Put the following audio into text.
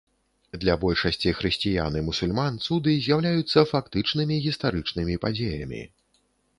Для большасці хрысціян і мусульман, цуды з'яўляюцца фактычнымі гістарычнымі падзеямі.